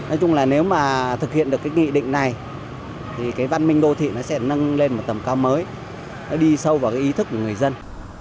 nói chung là nếu mà thực hiện được cái nghị định này thì cái văn minh đô thị nó sẽ nâng lên một tầm cao mới nó đi sâu vào cái ý thức của người dân